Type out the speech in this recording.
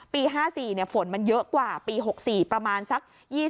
๕๔ฝนมันเยอะกว่าปี๖๔ประมาณสัก๒๐